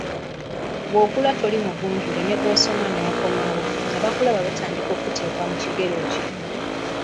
Bw’okula toli mugunjule ne bw’osoma okukoma wa, abakulaba batandika okukuteeka mu kigero kyo.